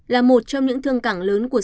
là một trong những thương cảng lớn của